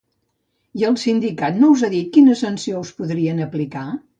I el sindicat no us ha dit quina sanció us podrien aplicar?